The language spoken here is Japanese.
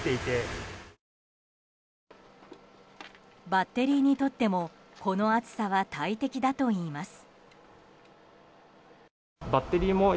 バッテリーにとってもこの暑さは大敵だといいます。